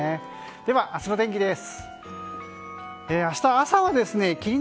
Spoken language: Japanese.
では明日の天気です。